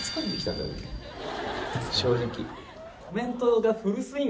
正直。